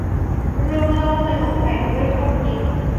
เรื่องเล่าสนุกแฝงด้วยข้อคิด